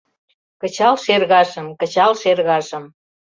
Кычал шергашым, кычал шергашым